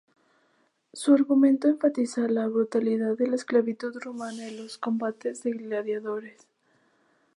Su argumento enfatiza la brutalidad de la esclavitud romana y los combates de gladiadores.